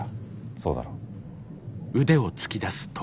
そうだろう？